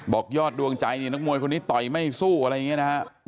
บอกยอดดวงใจนี่นักมวยคนนี้ต่อยไม่สู้อะไรอย่างนี้นะฮะ